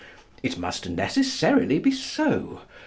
It must necessarily be so.